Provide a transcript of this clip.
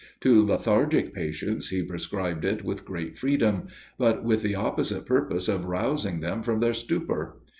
To lethargic patients, he prescribed it with great freedom, but with the opposite purpose of rousing them from their stupor.